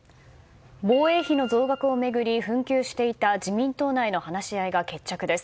防衛費の増額を巡り紛糾していた自民党内の話し合いが決着です。